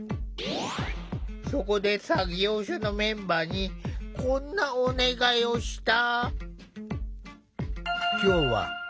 そこで作業所のメンバーにこんなお願いをした。